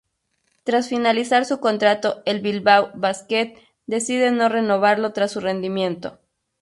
Tras finalizar su contrato el Bilbao Basket decide no renovarlo tras su rendimiento.